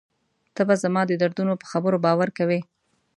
ته به زما د دردونو په خبرو باور کوې.